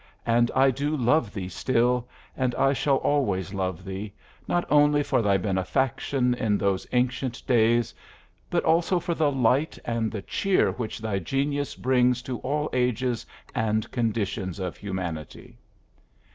And I do love thee still, and I shall always love thee, not only for thy benefaction in those ancient days, but also for the light and the cheer which thy genius brings to all ages and conditions of humanity.